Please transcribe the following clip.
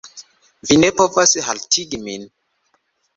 vi ne povas haltigi min.